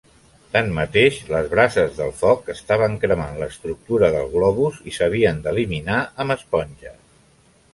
Tanmateix, les brases del foc estaven cremant l'estructura del globus i s'havien d'eliminar amb esponges.